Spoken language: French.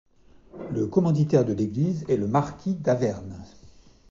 Le commanditaire de l'église est le marquis d'Avernes.